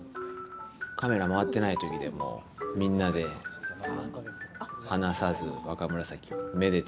カメラ回ってない時でもみんなで離さず若紫をめでてます。